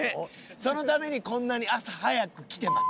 そのためにこんなに朝早く来てます。